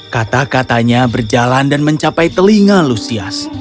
kata katanya berjalan dan mencapai telinga lusias